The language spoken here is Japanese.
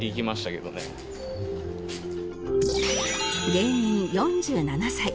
芸人４７歳